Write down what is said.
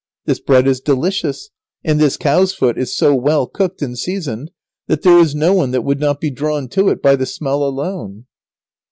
This bread is delicious, and this cow's foot is so well cooked and seasoned that there is no one that would not be drawn to it by the smell alone."